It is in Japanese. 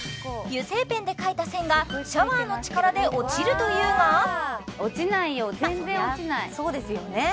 油性ペンで書いた線がシャワーの力で落ちるというが落ちないよ全然落ちないそうですよね